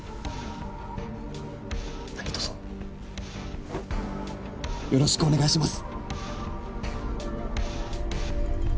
何卒よろしくお願いします。